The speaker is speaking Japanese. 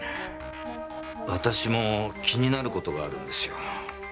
私も気になる事があるんですよ。